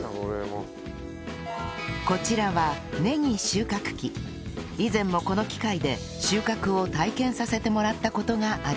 こちらは以前もこの機械で収穫を体験させてもらった事がありました